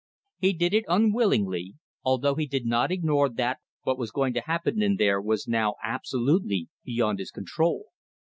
He did it unwillingly, although he did not ignore that what was going to happen in there was now absolutely beyond his control.